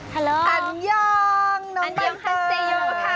ฮันยองน้องเบ้ยเตย